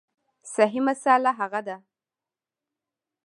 صحیح مسأله هغه ده